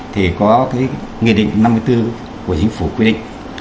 thì có cái nghị định năm mươi bốn của chính phủ quy định